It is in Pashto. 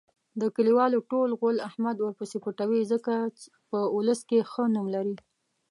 د کلیوالو ټول غول احمد ورپسې پټوي. ځکه په اولس کې ښه نوم لري.